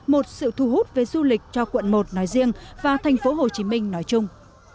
một sự thu hút về du lịch cho quận một nói riêng và thành phố hồ chí minh nói chung